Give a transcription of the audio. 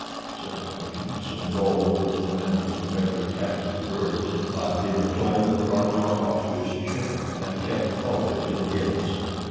said Tarzan, so low that the men could barely catch the words, but in a tone that brought Rokoff to his chair, and kept Paulvitch in his.